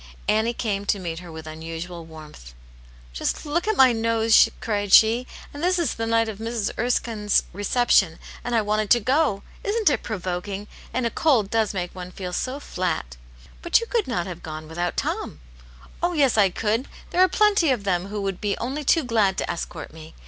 Annie came to meet her with unusual warmth. V Just look at my nose !" cried she. " And this is the night of Mrs. Erskine*s reception, and I wanted to go I Isn't it provoking ? And a cold does make one feel so flat !"" But you could not have gone without Tom." " Oh, yes, I could ! There are plenty of them who would be only too glad to escort me.